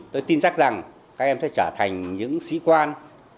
tôi tin chắc rằng các em sẽ trở thành những sĩ quan